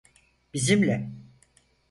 Bizimle.